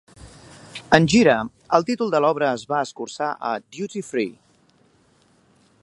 En gira, el títol de l'obra es va escurçar a 'Duty Free'.